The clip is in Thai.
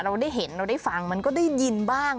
เราได้เห็นเราได้ฟังมันก็ได้ยินบ้าง